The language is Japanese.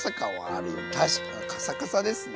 確かにカサカサですね。